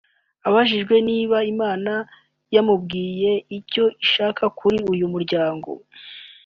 Abajijwe niba Imana yamubwiye icyo ishaka kuri uyu muryango